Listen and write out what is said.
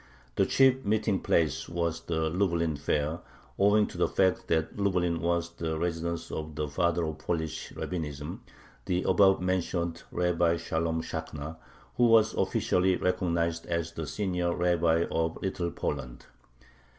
The chief meeting place was the Lublin fair, owing to the fact that Lublin was the residence of the father of Polish rabbinism, the above mentioned Rabbi Shalom Shakhna, who was officially recognized as the "senior rabbi" of Little Poland.